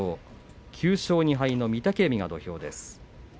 ９勝２敗の御嶽海が土俵です。